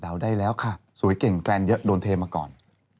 ได้แล้วค่ะสวยเก่งแฟนเยอะโดนเทมาก่อน